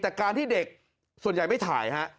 แต่การที่เด็กส่วนใหญ่ไม่ถ่ายฮะ